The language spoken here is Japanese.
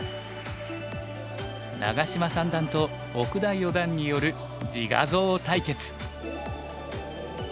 長島三段と奥田四段による自画像対決。